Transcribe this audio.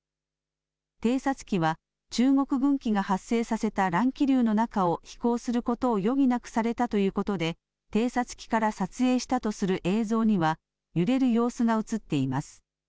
偵察機は中国軍機が発生させた乱気流の中を飛行することを余儀なくされたということで偵察機から撮影したとする映像には揺れる様子が映っています。